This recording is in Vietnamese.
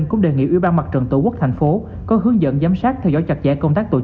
cảm ơn các bạn đã theo dõi và hẹn gặp lại